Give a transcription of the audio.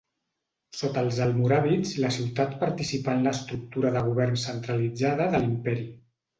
Sota els almoràvits la ciutat participà en l'estructura de govern centralitzada de l'imperi.